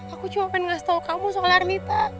aku cuma pengen ngasih tau kamu soal armita